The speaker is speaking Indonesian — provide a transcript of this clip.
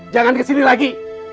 jangan kesini lagi